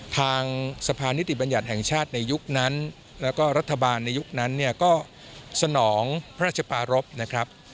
ทางสะพานนิติบัญญัติแห่งชาติในยุคนั้นแล้วก็รัฐบาลในยุคนั้นเนี่ยก็สนองพระราชปารพนะครับ